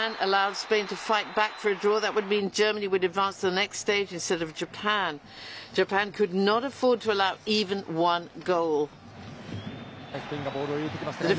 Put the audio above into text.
スペインがボールを入れてきました。